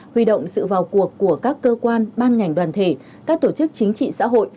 huy động sự vào cuộc của các cơ quan ban ngành đoàn thể các tổ chức chính trị xã hội